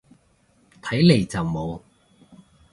睇嚟就冇